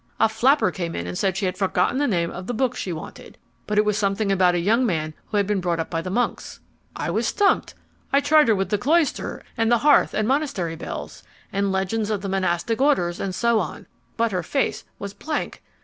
A flapper came in and said she had forgotten the name of the book she wanted, but it was something about a young man who had been brought up by the monks. I was stumped. I tried her with The Cloister and the Hearth and Monastery Bells and Legends of the Monastic Orders and so on, but her face was blank.